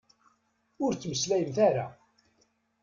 Ur ttmeslayemt ara!